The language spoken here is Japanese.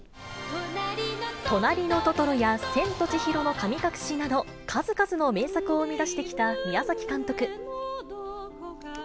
となりのトトロや、千と千尋の神隠しなど、数々の名作を生み出してきた宮崎監督。